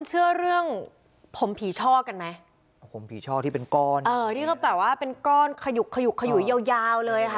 เชื่อเรื่องผมผีช่อกันไหมผมผีช่อที่เป็นก้อนเออที่เขาแบบว่าเป็นก้อนขยุกขยุกขยุยยาวยาวเลยค่ะ